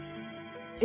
え。